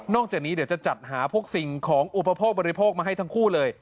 จากนี้เดี๋ยวจะจัดหาพวกสิ่งของอุปโภคบริโภคมาให้ทั้งคู่เลย